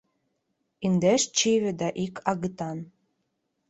— Индеш чыве да ик агытан.